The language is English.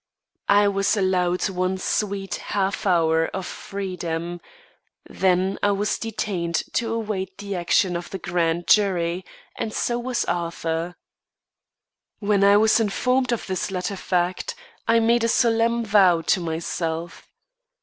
I was allowed one sweet half hour of freedom, then I was detained to await the action of the grand jury, and so was Arthur. When I was informed of this latter fact, I made a solemn vow to myself.